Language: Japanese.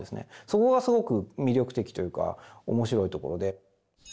そこがすごく魅力的というかおもしろいところで。